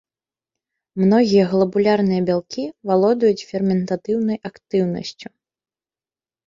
Многія глабулярныя бялкі валодаюць ферментатыўнай актыўнасцю.